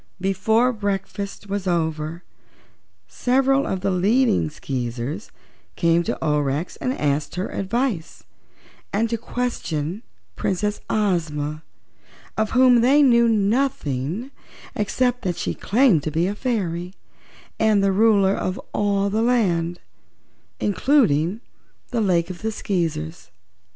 Before breakfast was over several of the leading Skeezers came to Aurex to ask her advice and to question Princess Ozma, of whom they knew nothing except that she claimed to be a fairy and the Ruler of all the land, including the Lake of the Skeezers.